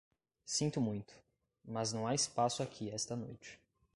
Sinto muito, mas não há espaço aqui esta noite.